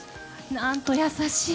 何と優しい。